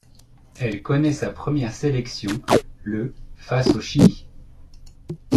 Elle connait sa première sélection le face au Chili.